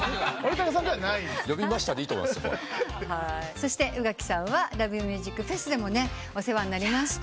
そして宇垣さんは「ＬＯＶＥＭＵＳＩＣＦＥＳ」でもねお世話になりました。